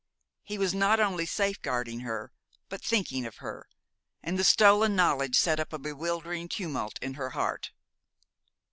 He was not only safeguarding her, but thinking of her, and the stolen knowledge set up a bewildering tumult in her heart.